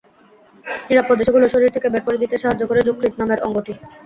নিরাপদে সেগুলো শরীর থেকে বের করে দিতে সাহায্য করে যকৃৎ নামের অঙ্গটি।